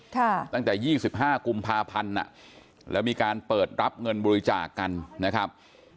ตั้งแต่ยี่สิบห้ากุมภาพันธ์อ่ะแล้วมีการเปิดรับเงินบริจาคกันนะครับ